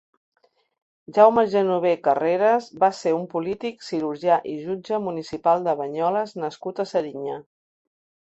Jaume Genover Carreras va ser un polític, cirurgià i jutge municipal de Banyoles nascut a Serinyà.